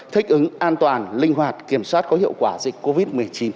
thích ứng an toàn linh hoạt kiểm soát có hiệu quả dịch covid một mươi chín